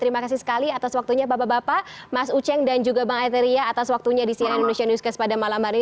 terima kasih sekali atas waktunya bapak bapak mas uceng dan juga bang arteria atas waktunya di cnn indonesia newscast pada malam hari ini